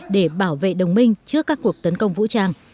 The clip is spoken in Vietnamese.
để bảo vệ đồng minh trước các cuộc tấn công vũ trang